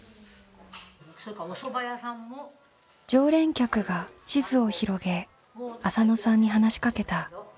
常連客が地図を広げ浅野さんに話しかけた。